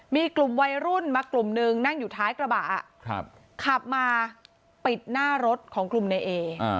มีกลุ่มวัยรุ่นมากลุ่มนึงนั่งอยู่ท้ายกระบะขับมาปิดหน้ารถของกลุ่มในเอ